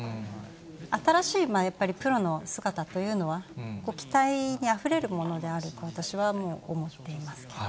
新しいやっぱりプロの姿というのは、期待にあふれるものであると、私はもう思っています。